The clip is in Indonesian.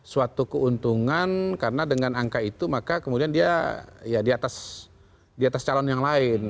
suatu keuntungan karena dengan angka itu maka kemudian dia ya di atas calon yang lain